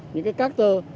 những cái cát tơ